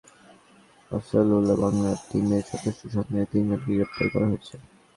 চট্টগ্রামে নিষিদ্ধ জঙ্গি সংগঠন আনসারুল্লাহ বাংলা টিমের সদস্য সন্দেহে তিনজনকে গ্রেপ্তার করা হয়েছে।